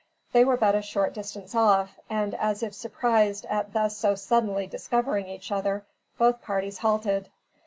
They were but a short distance off, and as if surprised at thus so suddenly discovering each other, both parties halted.